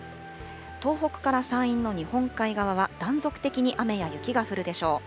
東北から山陰の日本海側は、断続的に雨や雪が降るでしょう。